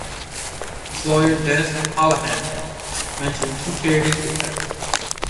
His lawyer, Dennis Holahan, mentioned two charities which benefited.